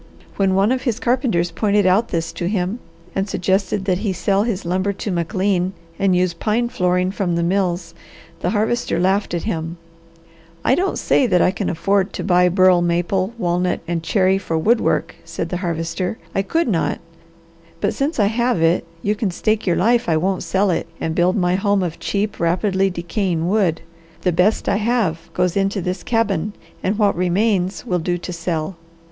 When one of his carpenters pointed out this to him, and suggested that he sell his lumber to McLean and use pine flooring from the mills the Harvester laughed at him. "I don't say that I could afford to buy burl maple, walnut, and cherry for wood work," said the Harvester. "I could not, but since I have it, you can stake your life I won't sell it and build my home of cheap, rapidly decaying wood. The best I have goes into this cabin and what remains will do to sell.